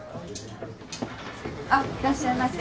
あいらっしゃいませ。